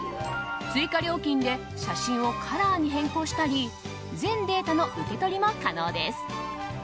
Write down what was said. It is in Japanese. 追加料金で写真をカラーに変更したり全データの受け取りも可能です。